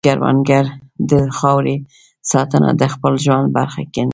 کروندګر د خاورې ساتنه د خپل ژوند برخه ګڼي